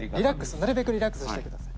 なるべくリラックスしてください。